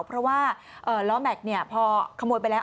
เพราะว่าล้อแม็กซ์พอขโมยไปแล้ว